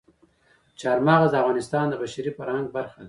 چار مغز د افغانستان د بشري فرهنګ برخه ده.